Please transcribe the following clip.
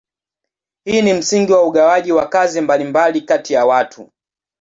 Hii ni msingi wa ugawaji wa kazi mbalimbali kati ya watu.